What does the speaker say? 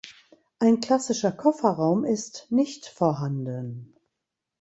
Ein klassischer Kofferraum ist nicht vorhanden.